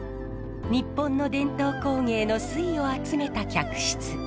日本の伝統工芸の粋を集めた客室。